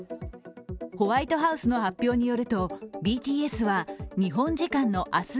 ホワイトハウスの発表によるとＢＴＳは日本時間の明日